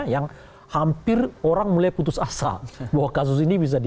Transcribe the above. yang hampir orang mulai putus asa bahwa kasus ini bisa di